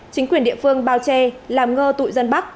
chính quyền địa phương bao che làm ngơ tụ dân bắc